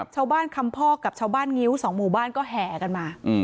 ชาวบ้านคำพ่อกับชาวบ้านงิ้วสองหมู่บ้านก็แห่กันมา